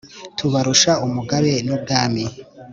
tubarusha umugabe n'ubwami